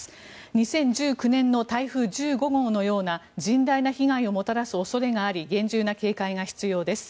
２０１９年の台風１５号のような甚大な被害をもたらす恐れがあり厳重な警戒が必要です。